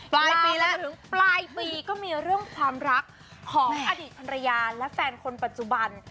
ปลายปีแล้วจนถึงปลายปีก็มีเรื่องความรักของอดีตภรรยาและแฟนคนปัจจุบัน